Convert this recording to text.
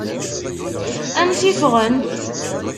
Ansa i ffɣen?